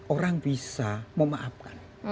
orang bisa memaafkan